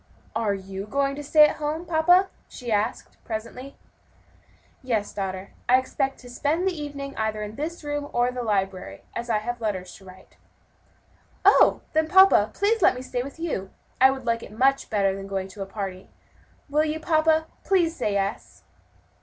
"Are you going to stay at home, papa?" she asked presently. "Yes, daughter, I expect to spend the evening either in this room or the library, as I have letters to write." "Oh, then, papa, please let me stay with you! I would like it much better than going to the party; will you, papa? please say yes."